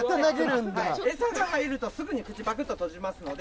エサが入るとすぐに口パクっと閉じますので。